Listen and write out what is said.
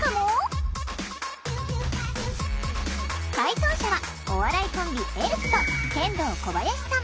解答者はお笑いコンビエルフとケンドーコバヤシさん。